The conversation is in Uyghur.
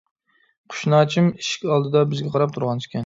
قۇشناچىم ئىشىك ئالدىدا بىزگە قاراپ تۇرغان ئىكەن.